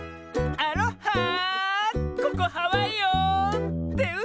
アロハー！